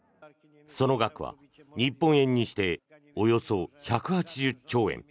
その額は日本円にしておよそ１８０兆円。